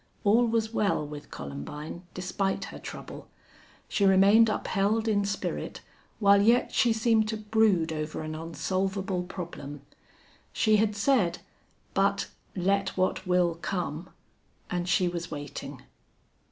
All was well with Columbine, despite her trouble. She remained upheld in spirit, while yet she seemed to brood over an unsolvable problem. She had said, "But let what will come!" and she was waiting.